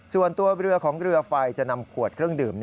ส่วนตัวเรือของเรือไฟจะนำขวดเครื่องดื่ม